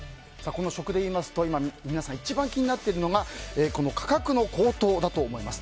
食に関して今、皆さん一番気になってるのが価格の高騰だと思います。